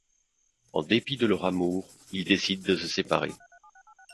En dépit de leur amour, ils décident de se séparer.